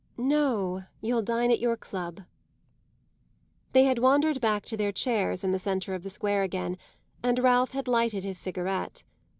"No, you'll dine at your club." They had wandered back to their chairs in the centre of the square again, and Ralph had lighted his cigarette.